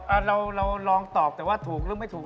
สมมุติว่าเราลองตอบแต่ว่าถูกหรือไม่ถูก